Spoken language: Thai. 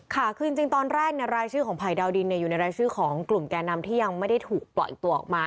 ค่ะคือจริงตอนแรกรายชื่อของภัยดาวดินอยู่ในรายชื่อของกลุ่มแก่นำที่ยังไม่ได้ถูกปล่อยตัวออกมา